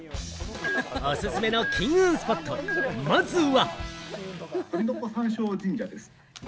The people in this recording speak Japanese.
おすすめの金運スポット、まずは。